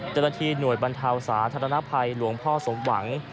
เจ้าหน้าที่หน่วยบรรเทาสาธารณภัยหลวงพ่อสมหวัง